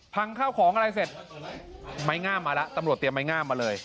ข้าวของอะไรเสร็จไม้งามมาแล้วตำรวจเตรียมไม้งามมาเลย